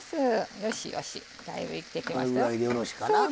よしよし、だいぶいってきましたよ。